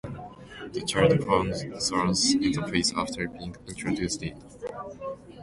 The child found solace in the faith after being introduced to it.